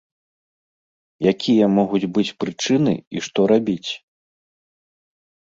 Якія могуць быць прычыны і што рабіць?